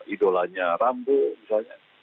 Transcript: idolanya rambu misalnya